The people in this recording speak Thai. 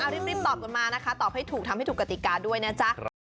รีบตอบกันมานะคะตอบให้ถูกทำให้ถูกกติกาด้วยนะจ๊ะ